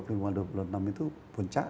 dua puluh lima dua puluh enam itu puncak